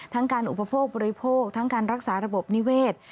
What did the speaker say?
ทั้งการอุปโภคบริโภคทั้งการรักษาระบบนิเวศ